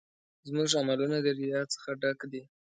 زموږ عملونه د ریا څخه ډک دي.